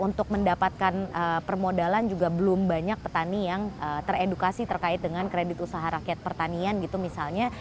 untuk mendapatkan permodalan juga belum banyak petani yang teredukasi terkait dengan kredit usaha rakyat pertanian gitu misalnya